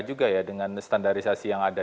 juga ya dengan standarisasi yang ada